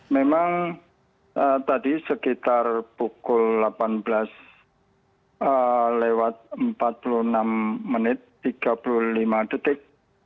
memang tadi sekitar pukul delapan belas lewat empat puluh enam menit tiga puluh lima detik